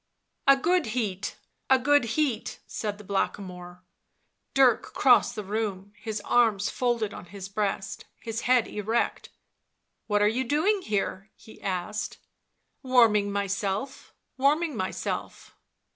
A good heat, a good heat," said the Blackamoor. Dirk crossed the room, his arms folded on his breast, his head erect. " What are you doing here V' he asked. u Warming myself, warming myself."